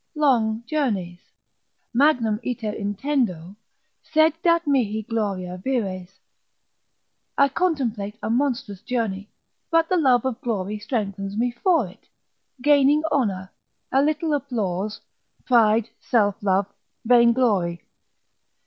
Long journeys, Magnum iter intendo, sed dat mihi gloria vires, I contemplate a monstrous journey, but the love of glory strengthens me for it, gaining honour, a little applause, pride, self love, vainglory.